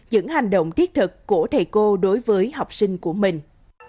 những hành động thiết thực của thầy cô đối với học sinh của mình